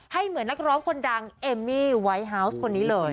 เหมือนนักร้องคนดังเอมมี่ไวท์ฮาวส์คนนี้เลย